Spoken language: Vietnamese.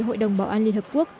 hội đồng bảo an liên hợp quốc